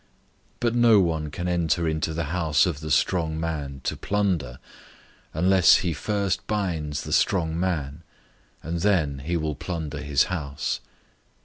003:027 But no one can enter into the house of the strong man to plunder, unless he first binds the strong man; and then he will plunder his house.